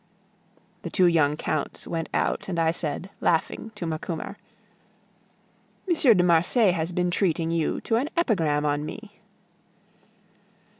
The two young counts went out, and I said, laughing, to Macumer: "M. de Marsay has been treating you to an epigram on me."